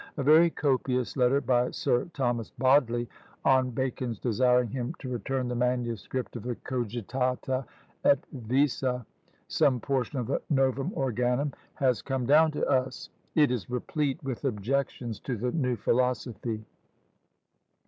A very copious letter by Sir Thomas Bodley on Bacon's desiring him to return the manuscript of the Cogitata et Visa, some portion of the Novum Organum, has come down to us; it is replete with objections to the new philosophy.